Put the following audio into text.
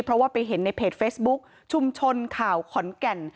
เพราะว่าไปเห็นในเพจเฟซบุ๊คชุมชนข่าวขอนแก่น